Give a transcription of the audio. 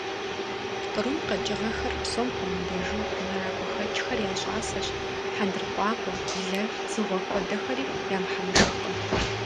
Кърум къэкӀыгъэхэр, псом хуэмыдэжу мэракӀуэхэкӀхэр я щӀасэщ, хьэндыркъуакъуэ, блэ, дзыгъуэ хуэдэхэри я мыхьэмышхкъым.